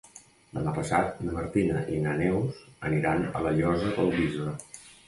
Demà passat na Martina i na Neus aniran a la Llosa del Bisbe.